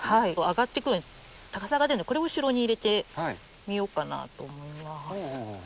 上がってくる高さが出るのでこれを後ろに入れてみようかなと思います。